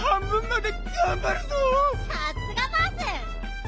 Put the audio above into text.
さすがバース！